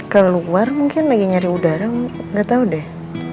keluar mungkin lagi nyari udara gak tau deh